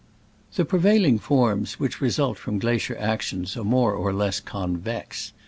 The prevailing forms whicl;i result from glacier action are more or less convex.